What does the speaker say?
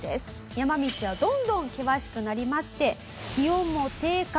山道はどんどん険しくなりまして気温も低下。